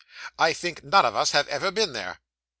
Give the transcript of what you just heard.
I think none of us have ever been there.